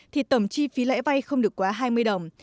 thì tổng chi phí lãi vay không được quá hai mươi đồng